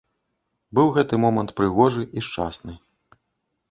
Быў гэты момант прыгожы і шчасны.